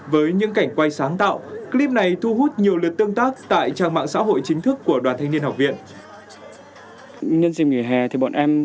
với những cảnh quay sáng tạo clip này thu hút nhiều lượt tương tác tại trang mạng xã hội chính thức của đoàn thanh niên học viện